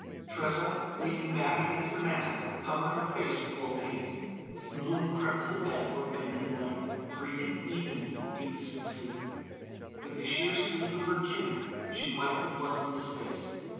Tressa, leaning back against the mantel, covered her face with both hands. Yulun crept to the bed where Benton lay, breathing evenly in deepest sleep. With the sheer sleeve of her tunic she wiped the blood from his face.